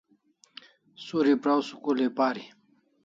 Suri praw school ai pari